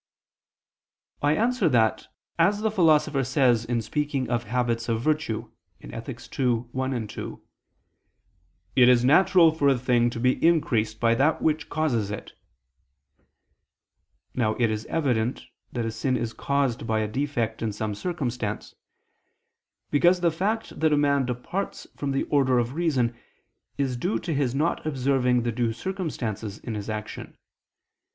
I answer that, As the Philosopher says in speaking of habits of virtue (Ethic. ii, 1, 2), "it is natural for a thing to be increased by that which causes it." Now it is evident that a sin is caused by a defect in some circumstance: because the fact that a man departs from the order of reason is due to his not observing the due circumstances in his action.